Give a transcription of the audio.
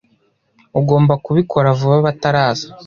Ugomba kubikora vuba bataraza.